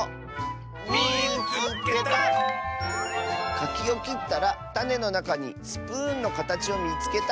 「かきをきったらたねのなかにスプーンのかたちをみつけた！」。